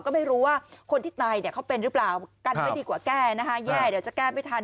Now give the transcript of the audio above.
ก็ไม่รู้ว่าคนที่ตายเนี่ยเขาเป็นหรือเปล่ากันไม่ดีกว่าแก้นะคะแย่เดี๋ยวจะแก้ไม่ทัน